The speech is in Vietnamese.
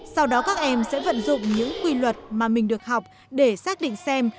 sau đó các em sẽ vận dụng những quy luật mà mình được học để xác định xem